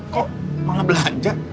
kok malah belanja